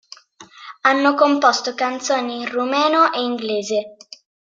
Hanno composto canzoni in rumeno e inglese.